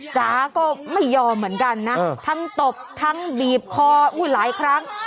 จ๋าก็ไม่ยอมเหมือนกันนะทั้งตบทั้งบีบคอหลายครั้ง